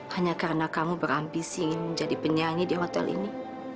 hanya karena kamu berambisi ingin menjadi penyanyi di hotel ini